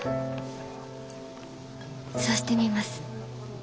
そうしてみます。